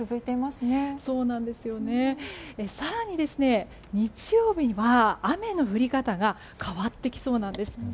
更に、日曜日は雨の降り方が変わってきそうなんです。